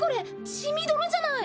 血みどろじゃない！